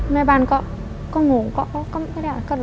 แม่บ้านก็งงก็ไม่ได้